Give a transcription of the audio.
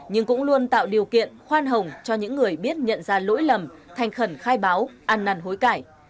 nhưng cũng luôn tạo điều kiện khoan hồng cho những người biết nhận ra lỗi lầm thành khẩn khai báo ăn năn hối cải